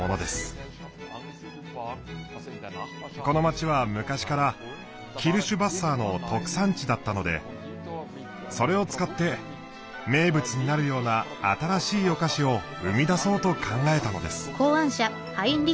この街は昔からキルシュヴァッサーの特産地だったのでそれを使って名物になるような新しいお菓子を生み出そうと考えたのです。